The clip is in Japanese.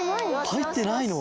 はいってないの？